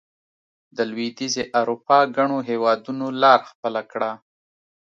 د لوېدیځې اروپا ګڼو هېوادونو لار خپله کړه.